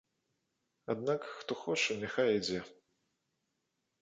Аднак, хто хоча, няхай ідзе.